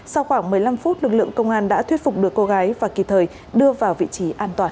sau khoảng một mươi năm phút lực lượng công an đã thuyết phục được cô gái và kịp thời đưa vào vị trí an toàn